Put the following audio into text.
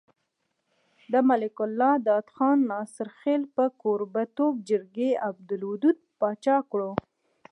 د ملک الله داد خان ناصرخېل په کوربه توب جرګې عبدالودو باچا کړو۔